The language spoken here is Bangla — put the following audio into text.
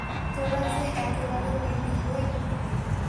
তোরা যে একেবারে বিবি হয়ে উঠলি।